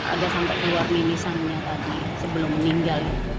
agak sampai keluar minisannya tadi sebelum meninggal